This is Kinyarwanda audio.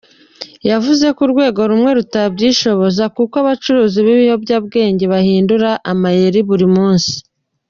Yavuze ko urwego rumwe rutabyishoboza kuko abacuruzi b’ibiyobyabwenge bahindura amayeri buri munsi.